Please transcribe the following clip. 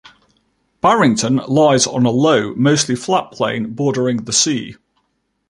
Barrington lies on a low, mostly flat plain bordering the sea.